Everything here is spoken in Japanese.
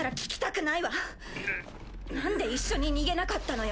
なんで一緒に逃げなかったのよ？